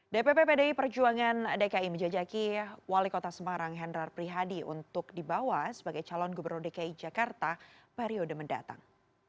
dpp pdi perjuangan dki menjajaki wali kota semarang henrar prihadi untuk dibawa sebagai calon gubernur dki jakarta periode mendatang